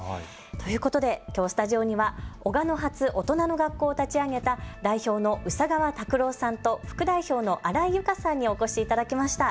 ということできょう、スタジオにはおがの発・大人の学校を立ち上げた代表の宇佐川拓郎さんと副代表の新井佑香さんにお越しいただきました。